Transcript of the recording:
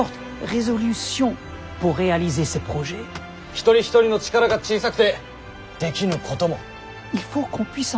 一人一人の力が小さくてできぬことも。